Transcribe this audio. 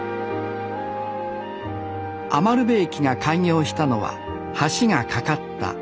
餘部駅が開業したのは橋が架かった４７年後。